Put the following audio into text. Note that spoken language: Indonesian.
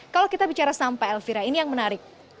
kalau kita bicara sampah elvira ini yang menarik